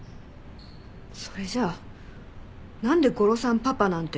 それじゃあなんで「ゴロさんパパ」なんて。